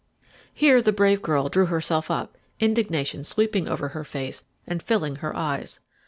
Here the brave girl drew herself up, indignation sweeping over her face and filling her eyes.